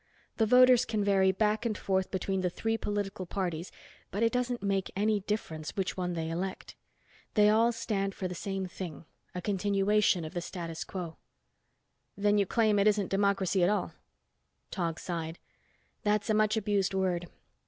The voters can vary back and forth between the three political parties but it doesn't make any difference which one they elect. They all stand for the same thing—a continuation of the status quo." "Then you claim it isn't democracy at all?" Tog sighed. "That's a much abused word.